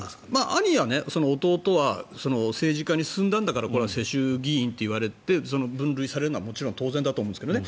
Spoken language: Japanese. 兄や弟は政治家に進んだんだから世襲議員といわれて分類されるのは当然だと思うんですけどね。